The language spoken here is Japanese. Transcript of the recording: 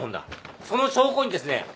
その証拠にですね